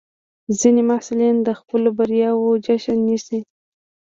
ځینې محصلین د خپلو بریاوو جشن نیسي.